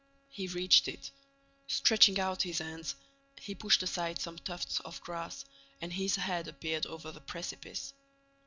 He reached it. Stretching out his hands, he pushed aside some tufts of grass and his head appeared over the precipice.